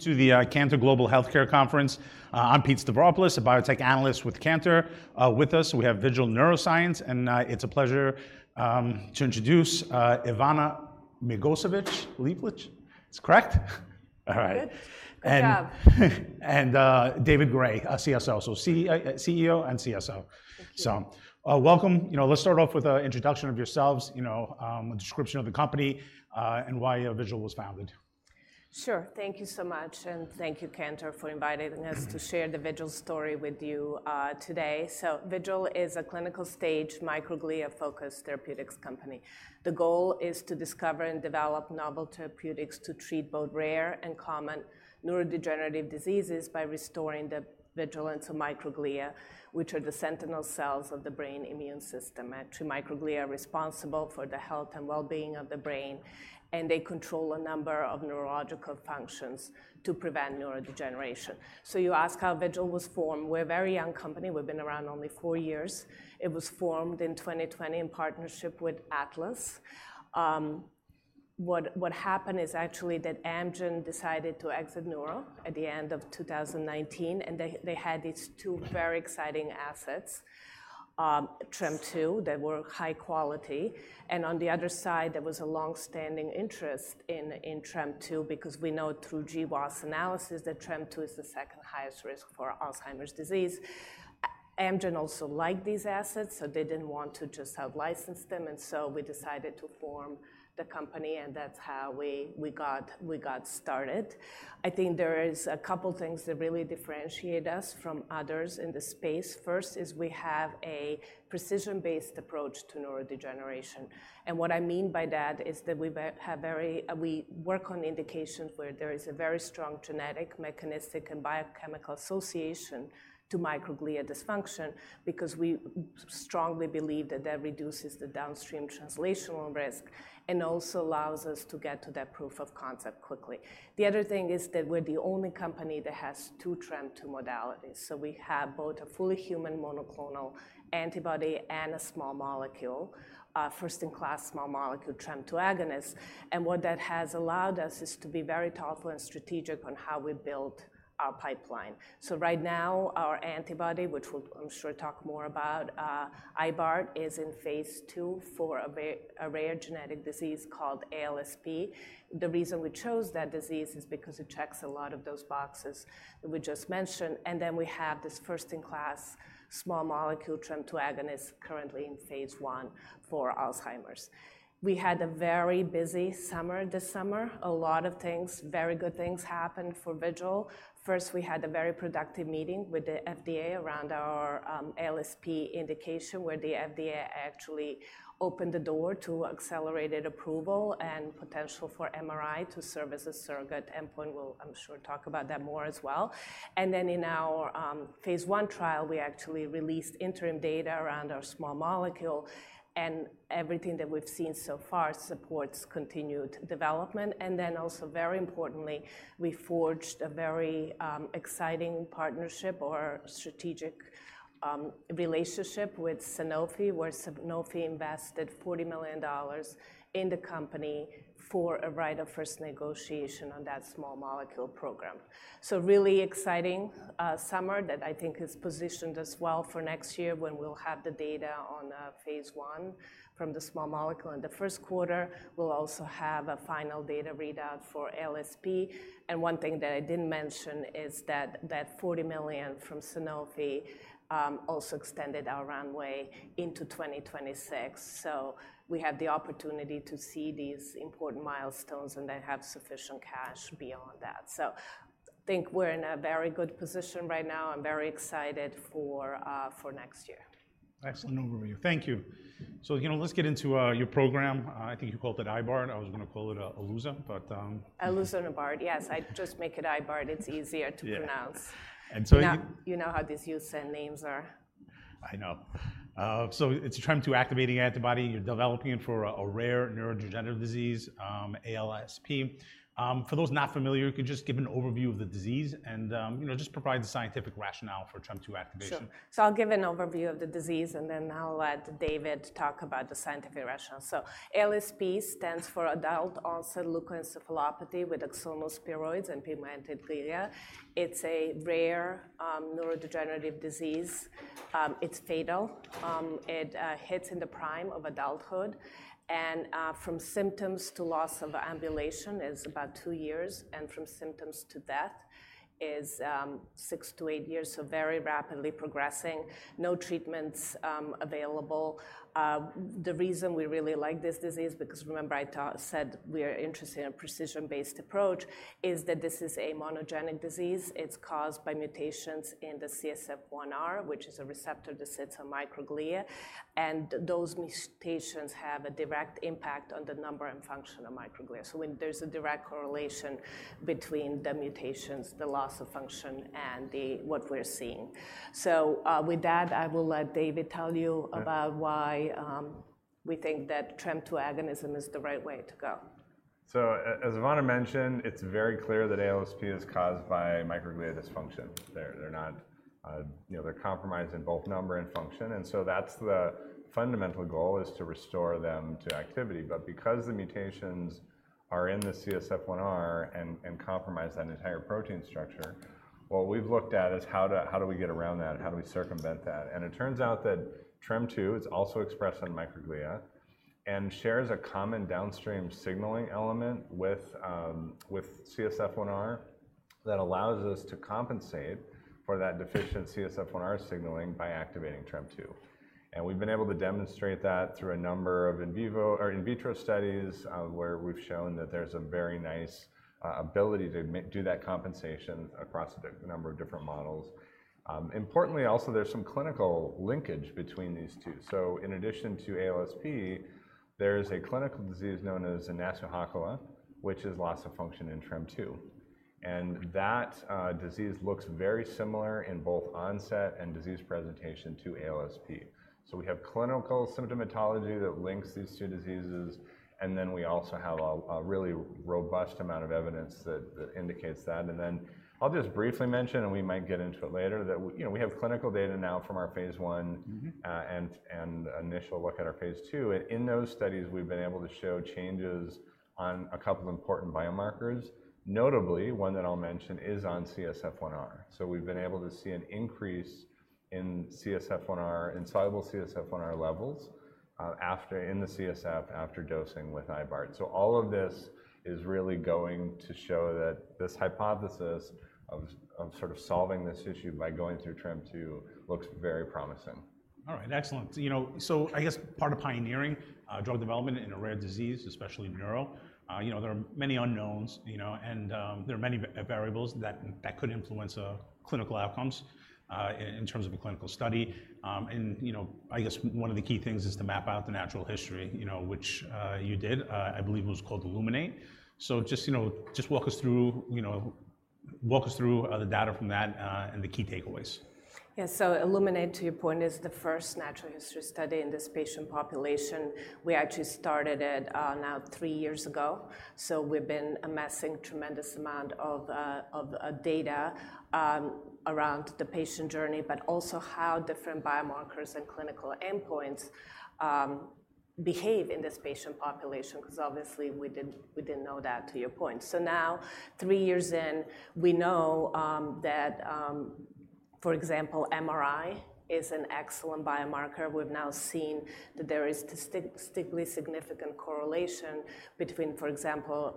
To the Cantor Global Healthcare Conference. I'm Pete Stavropoulos, a biotech analyst with Cantor. With us, we have Vigil Neuroscience, and it's a pleasure to introduce Ivana Magovčević-Liebisch. It's correct? All right. Good. Good job. And, David Gray, our CSO. So, CEO and CSO. Thank you. Welcome. You know, let's start off with an introduction of yourselves, you know, a description of the company, and why Vigil was founded. Sure. Thank you so much, and thank you, Cantor, for inviting us- Mm to share the Vigil story with you today. So Vigil is a clinical-stage microglia-focused therapeutics company. The goal is to discover and develop novel therapeutics to treat both rare and common neurodegenerative diseases by restoring the vigilance of microglia, which are the sentinel cells of the brain immune system. Actually, microglia are responsible for the health and well-being of the brain, and they control a number of neurological functions to prevent neurodegeneration. So you ask how Vigil was formed. We're a very young company. We've been around only four years. It was formed in 2020 in partnership with Atlas. What happened is actually that Amgen decided to exit neuro at the end of 2019, and they had these two very exciting assets, TREM2, that were high quality. And on the other side, there was a long-standing interest in TREM2 because we know through GWAS analysis that TREM2 is the second highest risk for Alzheimer's disease. Amgen also liked these assets, so they didn't want to just outlicense them, and so we decided to form the company, and that's how we got started. I think there is a couple things that really differentiate us from others in the space. First is we have a precision-based approach to neurodegeneration, and what I mean by that is that we have, we work on indications where there is a very strong genetic, mechanistic, and biochemical association to microglia dysfunction because we strongly believe that that reduces the downstream translational risk and also allows us to get to that proof of concept quickly. The other thing is that we're the only company that has two TREM2 modalities. So we have both a fully human monoclonal antibody and a small molecule, a first-in-class small molecule TREM2 agonist, and what that has allowed us is to be very thoughtful and strategic on how we build our pipeline. So right now, our antibody, which we'll, I'm sure, talk more about, iluzanebart, is in phase II for a rare genetic disease called ALSP. The reason we chose that disease is because it checks a lot of those boxes that we just mentioned, and then we have this first-in-class small molecule TREM2 agonist currently in phase I for Alzheimer's. We had a very busy summer this summer. A lot of things, very good things happened for Vigil. First, we had a very productive meeting with the FDA around our ALSP indication, where the FDA actually opened the door to accelerated approval and potential for MRI to serve as a surrogate endpoint. We'll, I'm sure, talk about that more as well, and then in our phase I trial, we actually released interim data around our small molecule, and everything that we've seen so far supports continued development, and then also, very importantly, we forged a very exciting partnership or strategic relationship with Sanofi, where Sanofi invested $40 million in the company for a right of first negotiation on that small molecule program, so really exciting summer that I think has positioned us well for next year when we'll have the data on phase I from the small molecule. In the first quarter, we'll also have a final data readout for ALSP. And one thing that I didn't mention is that that $40 million from Sanofi also extended our runway into 2026. So we have the opportunity to see these important milestones, and they have sufficient cash beyond that. So I think we're in a very good position right now. I'm very excited for next year. Excellent overview. Thank you. So, you know, let's get into your program. I think you called it IIluzanebart. I was gonna call it lluza, but, Iluza and iluzanebert, yes. I'd just make it iluzanebert. It's easier to pronounce. Yeah. And so you- Yeah, you know how these USAN names are. I know. So it's a TREM2-activating antibody. You're developing it for a rare neurodegenerative disease, ALSP. For those not familiar, could you just give an overview of the disease and, you know, just provide the scientific rationale for TREM2 activation? Sure. So I'll give an overview of the disease, and then I'll let David talk about the scientific rationale. So ALSP stands for adult-onset leukoencephalopathy with axonal spheroids and pigmented glia. It's a rare, neurodegenerative disease. It's fatal. It hits in the prime of adulthood, and from symptoms to loss of ambulation is about two years, and from symptoms to death is six to eight years, so very rapidly progressing. No treatments available. The reason we really like this disease, because remember I said we are interested in a precision-based approach, is that this is a monogenic disease. It's caused by mutations in the CSF1R, which is a receptor that sits on microglia, and those mutations have a direct impact on the number and function of microglia. So when there's a direct correlation between the mutations, the loss of function, and the... what we're seeing. So, with that, I will let David tell you. Yeah... about why we think that TREM2 agonism is the right way to go.... So as Ivana mentioned, it's very clear that ALSP is caused by microglia dysfunction. They're not, you know, they're compromised in both number and function, and so that's the fundamental goal, is to restore them to activity. But because the mutations are in the CSF1R and compromise that entire protein structure, what we've looked at is how do we get around that, and how do we circumvent that? And it turns out that TREM2 is also expressed on microglia and shares a common downstream signaling element with, with CSF1R, that allows us to compensate for that deficient CSF1R signaling by activating TREM2. And we've been able to demonstrate that through a number of in vivo or in vitro studies, where we've shown that there's a very nice ability to do that compensation across a number of different models. Importantly, also, there's some clinical linkage between these two. So in addition to ALSP, there's a clinical disease known as Nasu-Hakola, which is loss of function in TREM2, and that disease looks very similar in both onset and disease presentation to ALSP. So we have clinical symptomatology that links these two diseases, and then we also have a really robust amount of evidence that indicates that. I'll just briefly mention, and we might get into it later, that you know, we have clinical data now from our phase one- Mm-hmm. and initial look at our phase two and in those studies, we've been able to show changes on a couple important biomarkers. Notably, one that I'll mention is on CSF1R. So we've been able to see an increase in CSF1R, in soluble CSF1R levels in the CSF after dosing with iluzanebart. So all of this is really going to show that this hypothesis of sort of solving this issue by going through TREM2 looks very promising. All right, excellent. So, you know, so I guess part of pioneering drug development in a rare disease, especially neuro, you know, there are many unknowns, you know, and there are many variables that could influence clinical outcomes in terms of a clinical study, and you know, I guess one of the key things is to map out the natural history, you know, which you did. I believe it was called ILLUMINATE. So just, you know, walk us through the data from that and the key takeaways. Yeah. So ILLUMINATE, to your point, is the first natural history study in this patient population. We actually started it now three years ago, so we've been amassing tremendous amount of data around the patient journey, but also how different biomarkers and clinical endpoints behave in this patient population, 'cause obviously, we didn't know that, to your point. So now, three years in, we know that for example, MRI is an excellent biomarker. We've now seen that there is statistically significant correlation between, for example,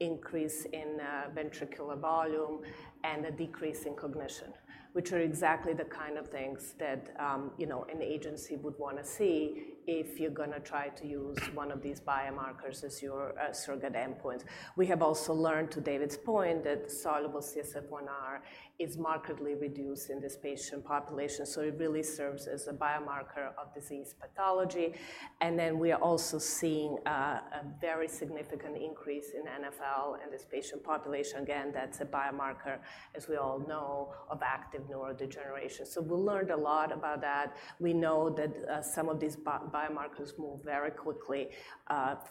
increase in ventricular volume and a decrease in cognition, which are exactly the kind of things that you know, an agency would wanna see if you're gonna try to use one of these biomarkers as your surrogate endpoint. We have also learned, to David's point, that soluble CSF1R is markedly reduced in this patient population, so it really serves as a biomarker of disease pathology, and then we are also seeing a very significant increase in NfL in this patient population. Again, that's a biomarker, as we all know, of active neurodegeneration, so we learned a lot about that. We know that some of these biomarkers move very quickly.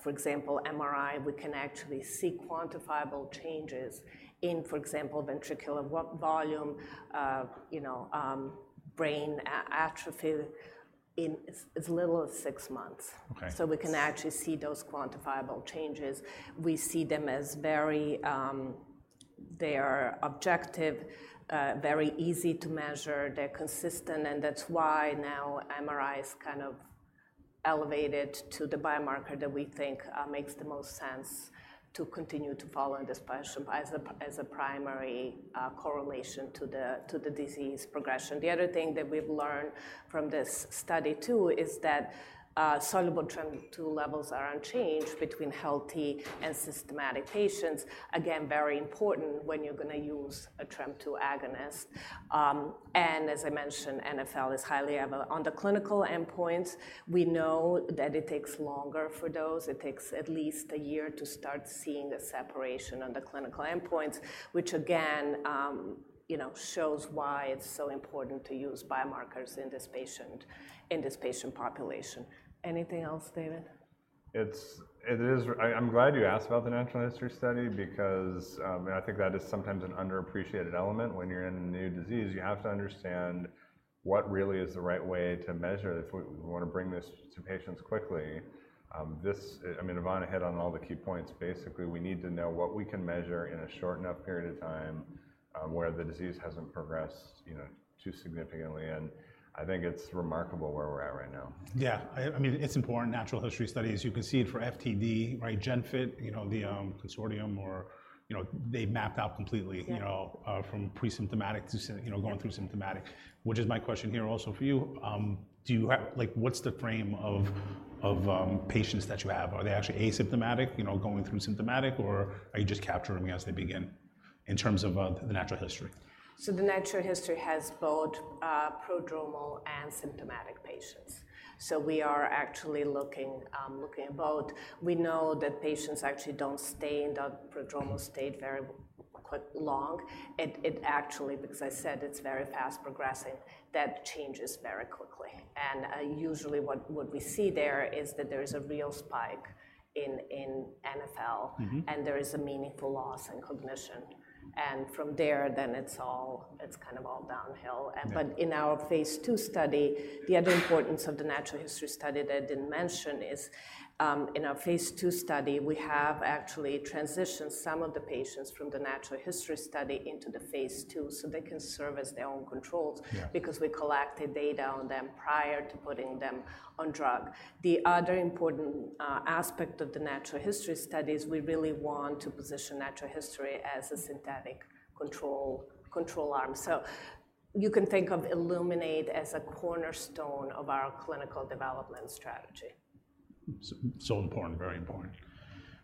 For example, MRI, we can actually see quantifiable changes in, for example, ventricular volume, you know, brain atrophy in as little as six months. Okay. So we can actually see those quantifiable changes. We see them as very... They are objective, very easy to measure, they're consistent, and that's why now MRI is kind of elevated to the biomarker that we think, makes the most sense to continue to follow in this patient as a primary, correlation to the disease progression. The other thing that we've learned from this study, too, is that, soluble TREM2 levels are unchanged between healthy and symptomatic patients. Again, very important when you're gonna use a TREM2 agonist. And as I mentioned, NfL is highly available. On the clinical endpoints, we know that it takes longer for those. It takes at least a year to start seeing a separation on the clinical endpoints, which again, you know, shows why it's so important to use biomarkers in this patient population. Anything else, David? It is. I'm glad you asked about the natural history study because I think that is sometimes an underappreciated element. When you're in a new disease, you have to understand what really is the right way to measure if we wanna bring this to patients quickly. This, I mean, Ivana hit on all the key points. Basically, we need to know what we can measure in a short enough period of time, where the disease hasn't progressed, you know, too significantly, and I think it's remarkable where we're at right now. Yeah. I mean, it's important, natural history studies. You can see it for FTD, right? GenFI, you know, the consortium or... You know, they mapped out completely- Yeah... you know, from pre-symptomatic to symptomatic, which is my question here also for you. Do you have like, what's the frame of patients that you have? Are they actually asymptomatic, you know, going through symptomatic, or are you just capturing as they begin?... in terms of the natural history? So the natural history has both prodromal and symptomatic patients. So we are actually looking at both. We know that patients actually don't stay in that prodromal state very quite long. It actually, because I said it's very fast progressing, that changes very quickly. And usually what we see there is that there is a real spike in NfL- Mm-hmm. and there is a meaningful loss in cognition, and from there, then it's all, it's kind of all downhill. Yeah. But in our phase II study, the other importance of the natural history study that I didn't mention is, in our phase II study, we have actually transitioned some of the patients from the natural history study into the phase II, so they can serve as their own controls- Yeah... because we collected data on them prior to putting them on drug. The other important aspect of the natural history study is we really want to position natural history as a synthetic control arm. So you can think of ILLUMINATE as a cornerstone of our clinical development strategy. So important. Very important.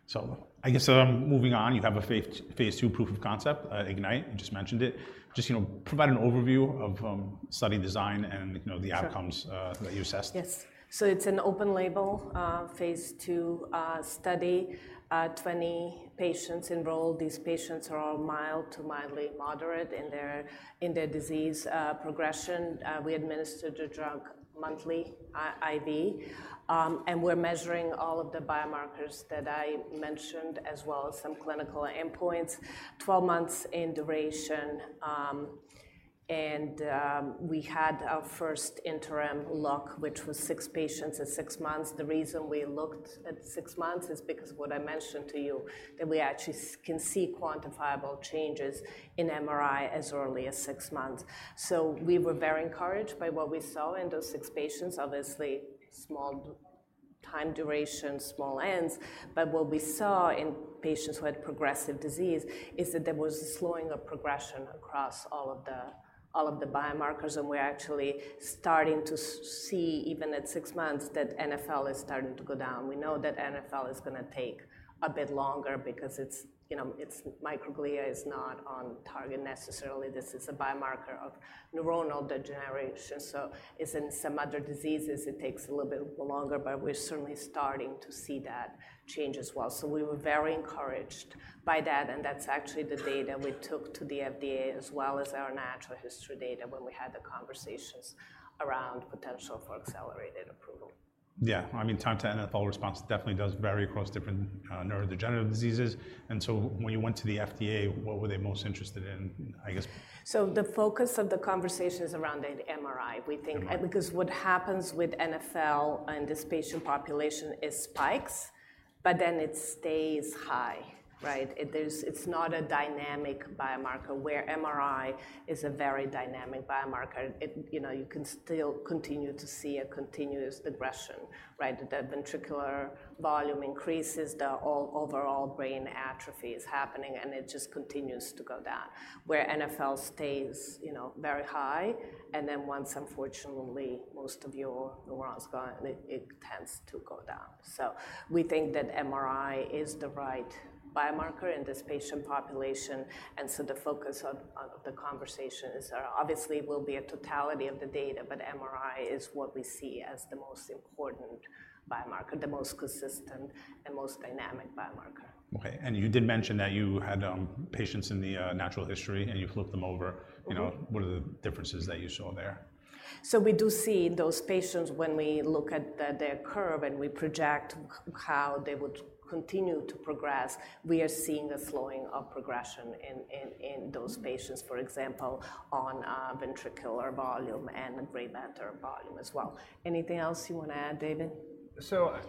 So I guess, moving on, you have a phase II proof of concept, IGNITE. You just mentioned it. Just, you know, provide an overview of, study design and, you know, the outcomes- Sure... that you assessed. Yes. So it's an open label, phase 2 study. Twenty patients enrolled. These patients are all mild to mildly moderate in their disease progression. We administered the drug monthly, IV, and we're measuring all of the biomarkers that I mentioned, as well as some clinical endpoints. 12 months in duration, and we had our first interim look, which was six patients at six months. The reason we looked at six months is because what I mentioned to you, that we actually can see quantifiable changes in MRI as early as six months. So we were very encouraged by what we saw in those six patients. Obviously, small time duration, small ends, but what we saw in patients who had progressive disease is that there was a slowing of progression across all of the biomarkers, and we're actually starting to see, even at six months, that NFL is starting to go down. We know that NFL is gonna take a bit longer because it's, you know, it's microglia is not on target necessarily. This is a biomarker of neuronal degeneration, so as in some other diseases, it takes a little bit longer, but we're certainly starting to see that change as well. So we were very encouraged by that, and that's actually the data we took to the FDA, as well as our natural history data, when we had the conversations around potential for accelerated approval. Yeah, I mean, time to NfL response definitely does vary across different neurodegenerative diseases. And so when you went to the FDA, what were they most interested in? I guess- So the focus of the conversation is around the MRI. We think- MRI. Because what happens with NfL in this patient population, it spikes, but then it stays high, right? It's not a dynamic biomarker, where MRI is a very dynamic biomarker. It. You know, you can still continue to see a continuous regression, right? The ventricular volume increases, the overall brain atrophy is happening, and it just continues to go down. Where NfL stays, you know, very high, and then once, unfortunately, most of your neurons are gone, it tends to go down. So we think that MRI is the right biomarker in this patient population, and so the focus of the conversations obviously will be a totality of the data, but MRI is what we see as the most important biomarker, the most consistent and most dynamic biomarker. Okay, and you did mention that you had patients in the natural history, and you flipped them over. Mm-hmm. You know, what are the differences that you saw there? So we do see those patients when we look at their curve, and we project how they would continue to progress. We are seeing a slowing of progression in those patients, for example, on ventricular volume and gray matter volume as well. Anything else you wanna add, David?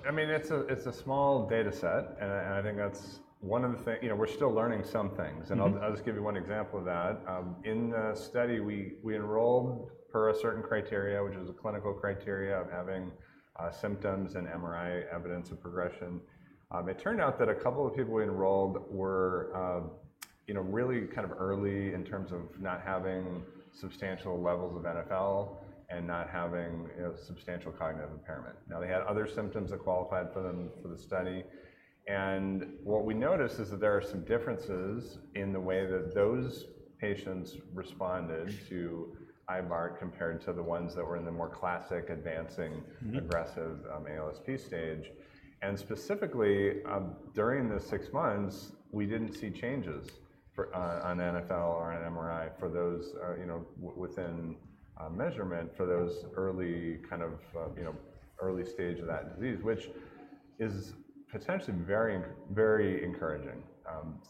I mean, it's a small data set, and I think that's one of the things. You know, we're still learning some things. Mm-hmm. I'll just give you one example of that. In the study, we enrolled per a certain criteria, which is a clinical criteria of having symptoms and MRI evidence of progression. It turned out that a couple of people we enrolled were, you know, really kind of early in terms of not having substantial levels of NfL and not having, you know, substantial cognitive impairment. Now, they had other symptoms that qualified for them, for the study, and what we noticed is that there are some differences in the way that those patients responded- Mm... to iluzanebart compared to the ones that were in the more classic, advancing- Mm-hmm... aggressive ALS stage. And specifically, during the six months, we didn't see changes for on NFL or on MRI for those, you know, within a measurement for those early kind of, you know, early stage of that disease, which is potentially very, very encouraging.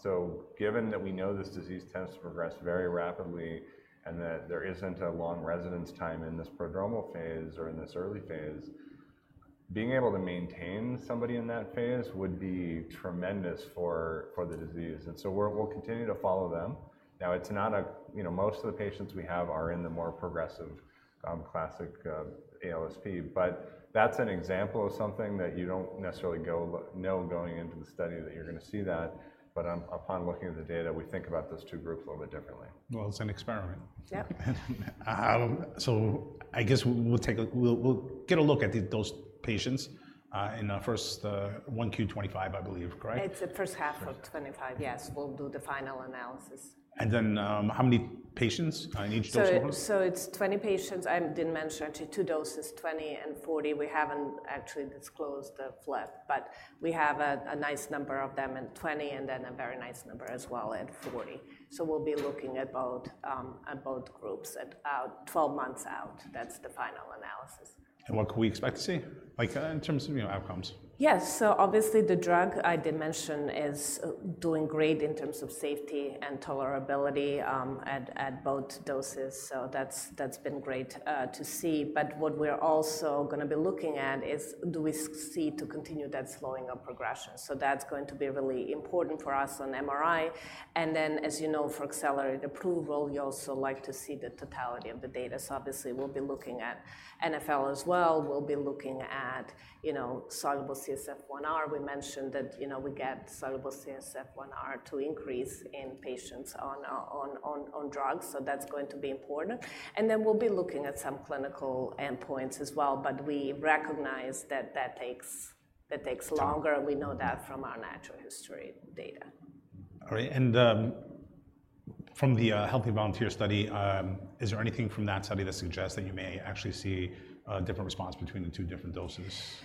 So given that we know this disease tends to progress very rapidly and that there isn't a long residence time in this prodromal phase or in this early phase, being able to maintain somebody in that phase would be tremendous for the disease. And so we'll continue to follow them. Now, it's not, you know, most of the patients we have are in the more progressive classic ALSP, but that's an example of something that you don't necessarily know going into the study that you're gonna see that. But, upon looking at the data, we think about those two groups a little bit differently. It's an experiment. Yep. So I guess we'll get a look at those patients in our first one Q twenty-five, I believe, correct? It's the first half of 2025. Yes, we'll do the final analysis. And then, how many patients in each dose group? It's 20 patients. I didn't mention actually, 2 doses, 20 and 40. We haven't actually disclosed the flip, but we have a nice number of them in 20 and then a very nice number as well at 40. We'll be looking at both at both groups at 12 months out. That's the final analysis. What can we expect to see? Like, in terms of, you know, outcomes. Yes. So obviously, the drug I did mention is doing great in terms of safety and tolerability at both doses. So that's been great to see. But what we're also gonna be looking at is do we see to continue that slowing of progression? So that's going to be really important for us on MRI. And then, as you know, for accelerated approval, you also like to see the totality of the data. So obviously, we'll be looking at NfL as well. We'll be looking at, you know, soluble CSF1R. We mentioned that, you know, we get soluble CSF1R to increase in patients on drugs, so that's going to be important. And then we'll be looking at some clinical endpoints as well, but we recognize that that takes longer. Yeah... and we know that from our natural history data. All right. And, from the healthy volunteer study, is there anything from that study that suggests that you may actually see a different response between the two different doses?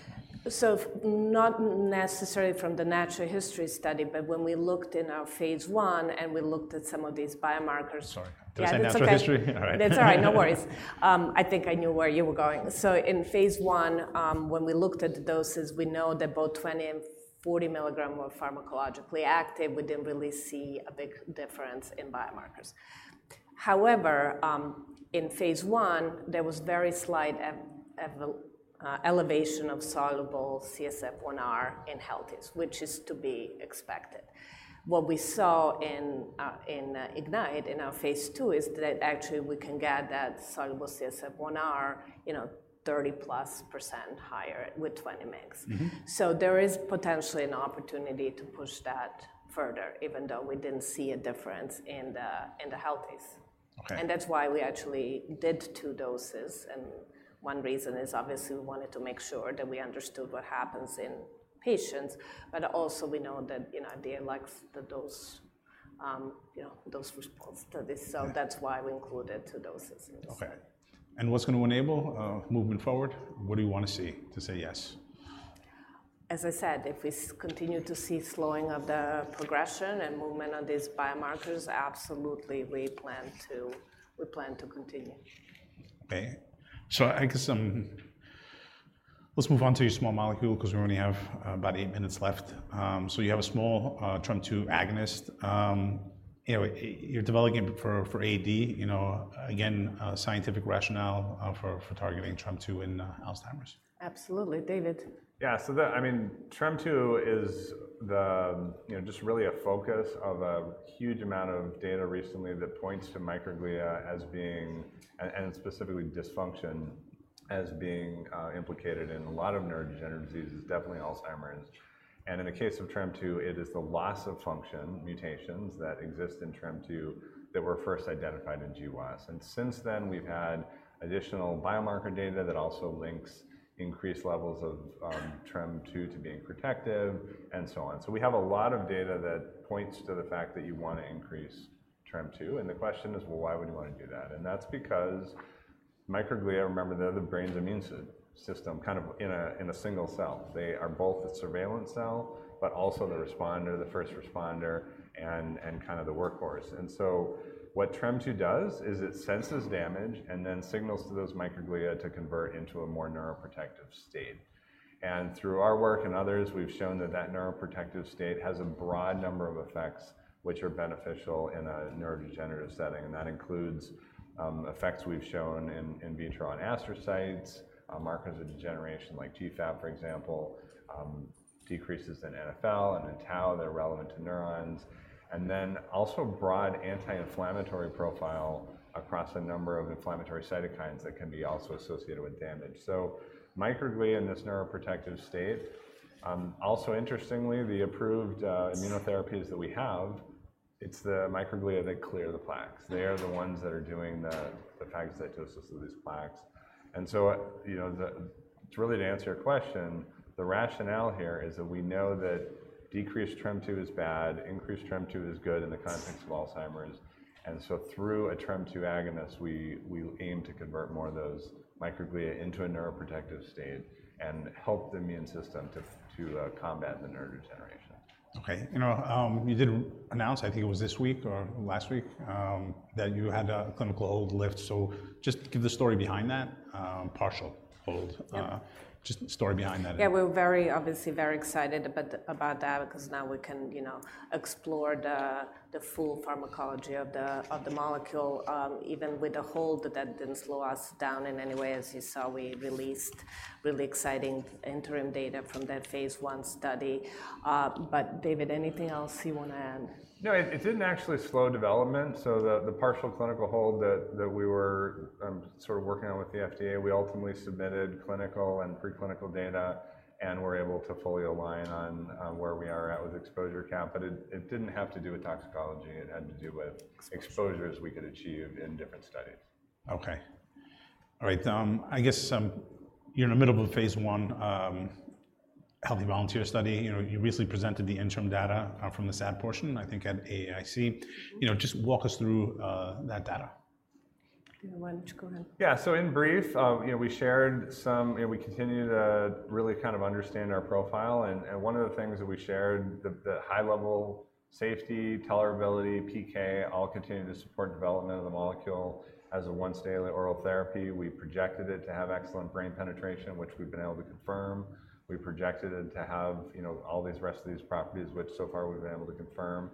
So not necessarily from the natural history study, but when we looked in our phase one, and we looked at some of these biomarkers. Sorry. Yeah, it's okay. Did I say natural history? All right. That's all right. No worries. I think I knew where you were going. So in phase 1, when we looked at the doses, we know that both 20 and 40 milligram were pharmacologically active. We didn't really see a big difference in biomarkers. However, in phase 1, there was very slight elevation of soluble CSF1R in healthy, which is to be expected. What we saw in IGNITE, in our phase 2, is that actually we can get that soluble CSF1R, you know, 30% higher with 20 mgs. Mm-hmm. So there is potentially an opportunity to push that further, even though we didn't see a difference in the healthy. Okay. That's why we actually did two doses, and one reason is obviously, we wanted to make sure that we understood what happens in patients, but also we know that, you know, the likes, the dose, you know, those response studies. Yeah. So that's why we included two doses. Okay, and what's gonna enable movement forward? What do you wanna see to say yes? As I said, if we continue to see slowing of the progression and movement on these biomarkers, absolutely, we plan to continue. Okay. So I guess, let's move on to your small molecule 'cause we only have about eight minutes left, so you have a small TREM2 agonist. You know, you're developing it for AD, you know, again, scientific rationale for targeting TREM2 in Alzheimer's. Absolutely. David? Yeah, so I mean, TREM2 is the, you know, just really a focus of a huge amount of data recently that points to microglia as being, and specifically dysfunction, as being implicated in a lot of neurodegenerative diseases, definitely Alzheimer's, and in the case of TREM2, it is the loss-of-function mutations that exist in TREM2 that were first identified in Nasu-Hakola disease, and since then, we've had additional biomarker data that also links increased levels of TREM2 to being protective, and so on, so we have a lot of data that points to the fact that you want to increase TREM2, and the question is, well, why would you want to do that, and that's because microglia, remember, they're the brain's immune system, kind of in a single cell. They are both the surveillance cell, but also the responder, the first responder, and kind of the workhorse. And so what TREM2 does is it senses damage and then signals to those microglia to convert into a more neuroprotective state. And through our work and others, we've shown that that neuroprotective state has a broad number of effects, which are beneficial in a neurodegenerative setting, and that includes effects we've shown in vitro on astrocytes, markers of degeneration, like GFAP, for example, decreases in NfL and in tau that are relevant to neurons, and then also broad anti-inflammatory profile across a number of inflammatory cytokines that can be also associated with damage. So microglia in this neuroprotective state also interestingly, the approved immunotherapies that we have, it's the microglia that clear the plaques. They are the ones that are doing the phagocytosis of these plaques. And so, you know, to really answer your question, the rationale here is that we know that decreased TREM2 is bad, increased TREM2 is good in the context of Alzheimer's. And so through a TREM2 agonist, we aim to convert more of those microglia into a neuroprotective state and help the immune system to combat the neurodegeneration. Okay. You know, you did announce, I think it was this week or last week, that you had a clinical hold lift. So just give the story behind that, partial hold? Yeah. Just the story behind that. Yeah, we're very obviously very excited about that because now we can, you know, explore the full pharmacology of the molecule. Even with the hold, that didn't slow us down in any way. As you saw, we released really exciting interim data from that phase one study. But David, anything else you wanna add? ... No, it didn't actually slow development. So the partial clinical hold that we were sort of working on with the FDA, we ultimately submitted clinical and preclinical data, and we're able to fully align on where we are at with exposure count. But it didn't have to do with toxicology. It had to do with- Exposure... exposures we could achieve in different studies. Okay. All right, I guess, you're in the middle of a phase I healthy volunteer study. You know, you recently presented the interim data from the SAD portion, I think, at AAIC. Mm-hmm. You know, just walk us through that data? Yeah, why don't you go ahead? Yeah. So in brief, you know, we shared some we continue to really kind of understand our profile. And one of the things that we shared, the high-level safety, tolerability, PK, all continue to support development of the molecule as a once-daily oral therapy. We projected it to have excellent brain penetration, which we've been able to confirm. We projected it to have, you know, all these rest of these properties, which so far we've been able to confirm.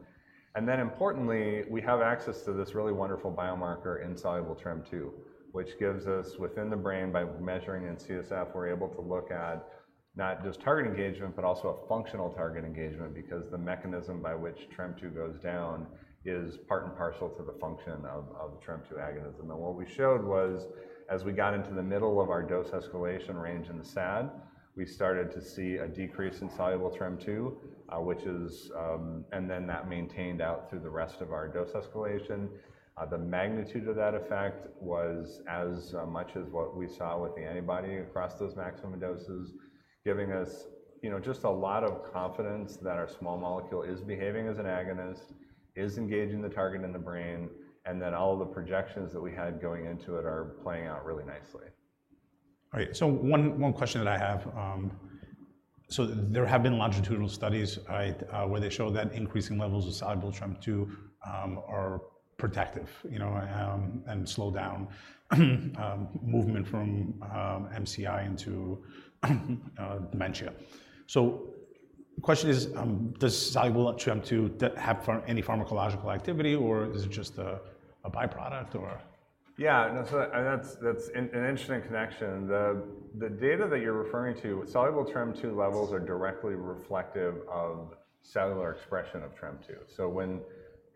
And then importantly, we have access to this really wonderful biomarker in soluble TREM2, which gives us, within the brain, by measuring in CSF, we're able to look at not just target engagement, but also a functional target engagement. Because the mechanism by which TREM2 goes down is part and parcel to the function of TREM2 agonism. What we showed was, as we got into the middle of our dose escalation range in the SAD, we started to see a decrease in soluble TREM2, which is. And then that maintained out through the rest of our dose escalation. The magnitude of that effect was as much as what we saw with the antibody across those maximum doses, giving us, you know, just a lot of confidence that our small molecule is behaving as an agonist, is engaging the target in the brain, and that all of the projections that we had going into it are playing out really nicely. All right. So one question that I have. So there have been longitudinal studies, right, where they show that increasing levels of soluble TREM2 are protective, you know, and slow down movement from MCI into dementia. So the question is, does soluble TREM2 have any pharmacological activity, or is it just a by-product, or? Yeah, no, so that's an interesting connection. The data that you're referring to, soluble TREM2 levels are directly reflective of cellular expression of TREM2. So when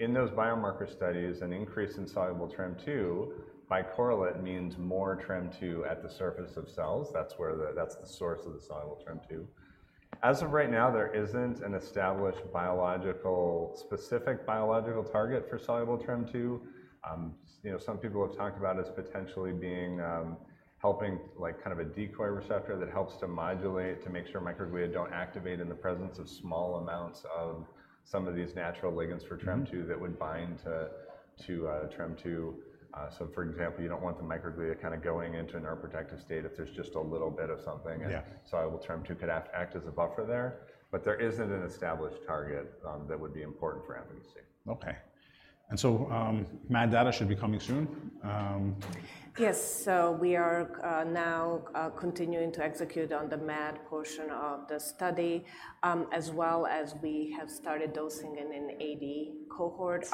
in those biomarker studies an increase in soluble TREM2 by correlation means more TREM2 at the surface of cells, that's the source of the soluble TREM2. As of right now, there isn't an established specific biological target for soluble TREM2. You know, some people have talked about it as potentially being helping like kind of a decoy receptor that helps to modulate to make sure microglia don't activate in the presence of small amounts of some of these natural ligands for TREM2. Mm... that would bind to TREM2. So for example, you don't want the microglia kinda going into a neuroprotective state if there's just a little bit of something. Yeah. And soluble TREM2 could act as a buffer there, but there isn't an established target that would be important for efficacy. Okay. And so, MAD data should be coming soon. Yes. So we are now continuing to execute on the MAD portion of the study. As well as we have started dosing in an AD cohort.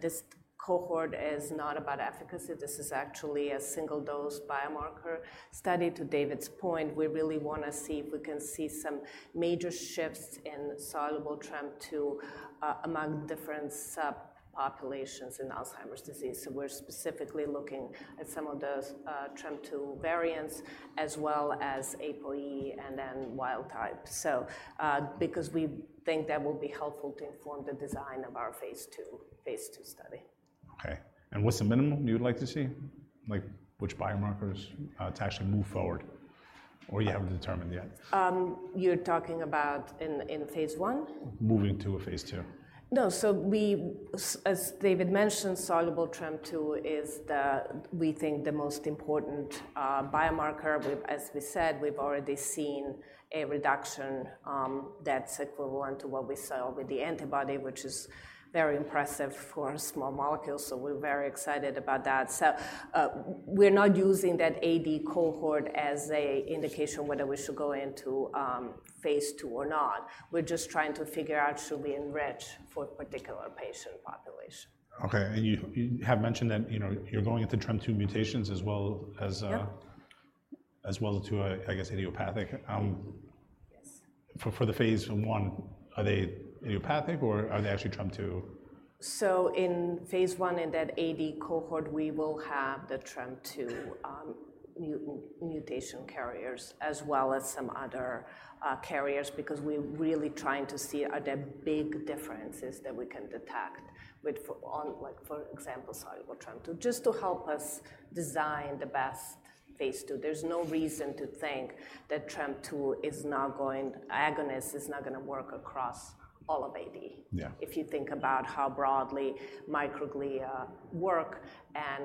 This cohort is not about efficacy. This is actually a single-dose biomarker study. To David's point, we really wanna see if we can see some major shifts in soluble TREM2 among different subpopulations in Alzheimer's disease. So we're specifically looking at some of those TREM2 variants, as well as APOE, and then wild type. So because we think that will be helpful to inform the design of our phase II study. Okay. And what's the minimum you'd like to see? Like, which biomarkers, to actually move forward, or you haven't determined yet? You're talking about in Phase I? Moving to a phase II. No, so we as David mentioned, soluble TREM2 is, we think, the most important biomarker. We've as we said, we've already seen a reduction that's equivalent to what we saw with the antibody, which is very impressive for a small molecule, so we're very excited about that. So, we're not using that AD cohort as an indication whether we should go into Phase II or not. We're just trying to figure out should we enrich for particular patient population. Okay, and you have mentioned that, you know, you're going into TREM2 mutations as well as- Yep... as well as to a, I guess, idiopathic Yes... for the phase I, are they idiopathic, or are they actually TREM2? In phase I, in that AD cohort, we will have the TREM2 mutation carriers, as well as some other carriers because we're really trying to see are there big differences that we can detect with, like, for example, soluble TREM2, just to help us design the best phase II. There's no reason to think that TREM2 agonist is not gonna work across all of AD. Yeah. If you think about how broadly microglia work, and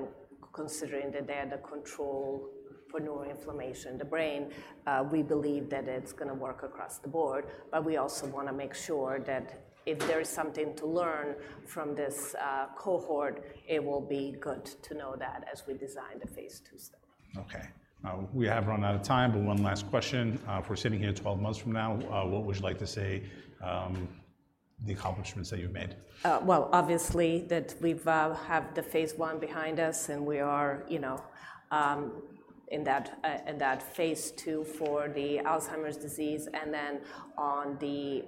considering that they're the control for neuroinflammation in the brain, we believe that it's gonna work across the board. But we also wanna make sure that if there is something to learn from this cohort, it will be good to know that as we design the phase II study. Okay. We have run out of time, but one last question: if we're sitting here twelve months from now, what would you like to say, the accomplishments that you've made? Well, obviously, that we've have the phase I behind us, and we are, you know, in that phase II for the Alzheimer's disease, and then on the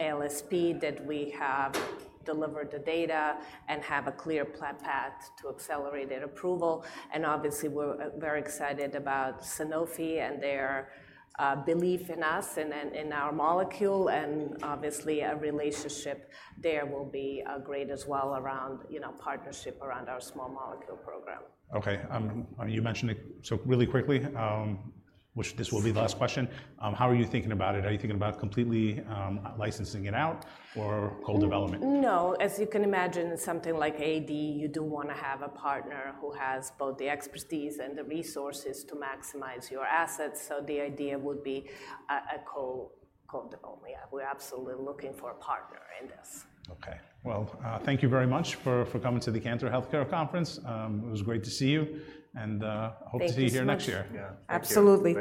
ALSP, that we have delivered the data and have a clear path to accelerated approval. And obviously, we're very excited about Sanofi and their belief in us and then in our molecule, and obviously, a relationship there will be great as well around, you know, partnership around our small molecule program. Okay, and you mentioned it... So really quickly, which this will be the last question: How are you thinking about it? Are you thinking about completely licensing it out or co-development? No. As you can imagine, something like AD, you do wanna have a partner who has both the expertise and the resources to maximize your assets, so the idea would be a co-development. We're absolutely looking for a partner in this. Okay. Well, thank you very much for coming to the Cantor Healthcare Conference. It was great to see you, and- Thank you so much.... hope to see you here next year. Yeah. Absolutely.